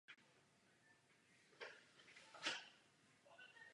Porost je podle stáří rozdělen do věkových tříd.